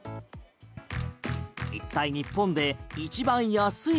一体、日本で一番安い